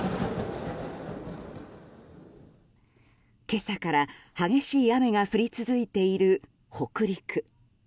今朝から激しい雨が降り続いている北陸。